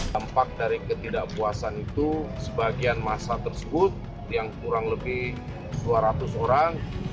dampak dari ketidakpuasan itu sebagian masa tersebut yang kurang lebih dua ratus orang